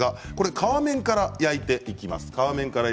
皮面から焼いていきます。